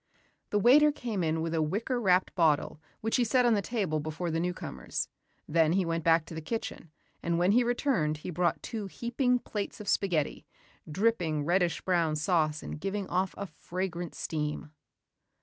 The waiter came in with a wicker wrapped bottle which he set on the table before the newcomers. Then he went back to the kitchen and when he returned he brought two heaping plates of spaghetti, dripping reddish brown sauce and giving off a fragrant steam.